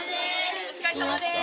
お疲れさまです。